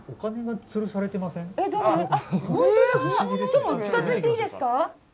ちょっと近づいていいですか？